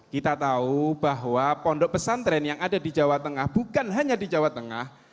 kita tahu bahwa pondok pesantren yang ada di jawa tengah bukan hanya di jawa tengah